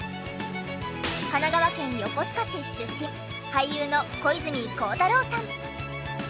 神奈川県横須賀市出身俳優の小泉孝太郎さん。